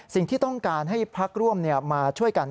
สิ่งที่ต้องการให้พักร่วมมาช่วยกัน